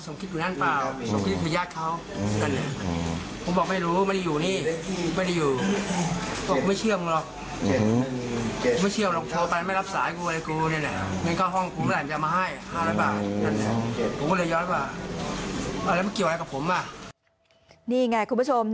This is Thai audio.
นี่ไงคุณผู้ชมนายแผนผู้ตายเนี่ย